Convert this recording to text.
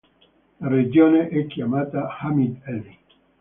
La regione è chiamata "Hamid-eli".